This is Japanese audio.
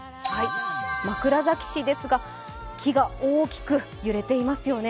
枕崎市ですが、木が大きく揺れていますよね。